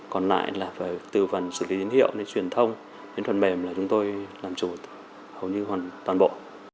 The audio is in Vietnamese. còn lại là từ phần xử lý dân hiệu truyền thông đến phần mềm là chúng tôi làm chủ hầu như toàn bộ